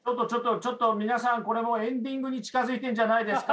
皆さんこれエンディングに近づいているんじゃないですか？